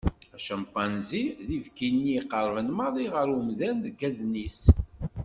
Acampanzi d ibki-nni iqerben maḍi ɣer umdan deg adn-is.